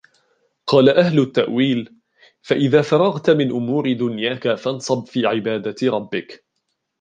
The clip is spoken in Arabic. قَالَ أَهْلُ التَّأْوِيلِ فَإِذَا فَرَغْت مِنْ أُمُورِ دُنْيَاك فَانْصَبْ فِي عِبَادَةِ رَبِّك